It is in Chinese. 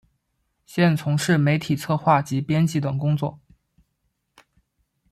现从事媒体策划及编辑等工作。